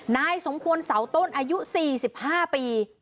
นายสมควรเสาต้นอายุ๔๕ปี